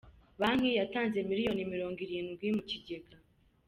Banki yatanze miliyoni Mirongo Irindwi mu kigega